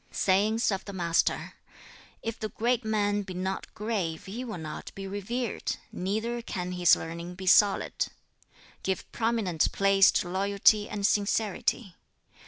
'" Sayings of the Master: "If the great man be not grave, he will not be revered, neither can his learning be solid. "Give prominent place to loyalty and sincerity.